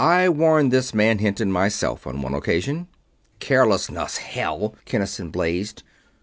I warned this man Hinton myself, on one occasion." "Carelessness, hell!" Kinnison blazed.